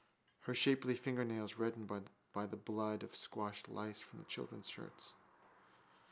Her shapely fingernails reddened by the blood of squashed lice from the children's shirts.